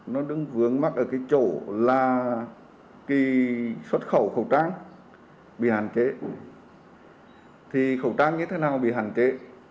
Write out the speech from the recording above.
nó đứng vướng mắc ở cái chỗ là cái xuất khẩu khẩu trang bị hạn chế thì khẩu trang như thế nào bị hạn chế